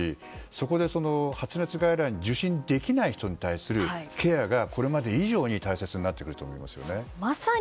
そこで発熱外来を受診できない人に対するケアがこれまで以上に大切になってくると思いますよね。